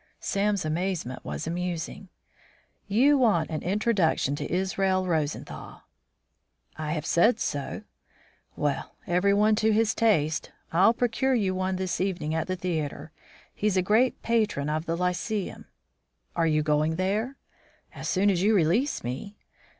Sam's amazement was amusing. "You want an introduction to Israel Rosenthal?" "I have said so." "Well, everyone to his taste. I'll procure you one this evening at the theatre. He's a great patron of the Lyceum." "And are you going there?" "As soon as you release me."